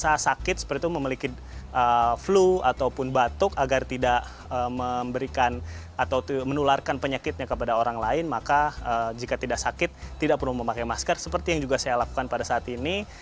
ketika sakit seperti itu memiliki flu ataupun batuk agar tidak memberikan atau menularkan penyakitnya kepada orang lain maka jika tidak sakit tidak perlu memakai masker seperti yang juga saya lakukan pada saat ini